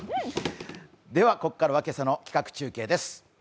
では、ここからは今朝の企画中継です。